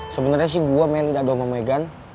sebenernya sih gue married sama megan